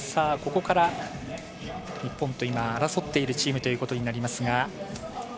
ここから日本と今、争っているチームということになりますが。